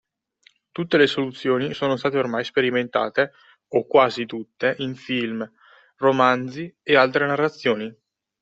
Tutte le soluzioni sono state ormai sperimentate (o quasi tutte) in film, romanzi e altre narrazioni.